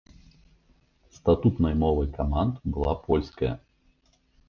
Статутнай мовай каманд была польская.